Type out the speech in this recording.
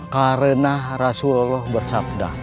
karena rasulullah bersabda